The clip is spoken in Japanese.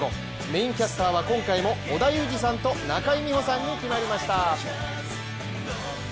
メインキャスターは今回も織田裕二さんと中井美穂さんに決まりました。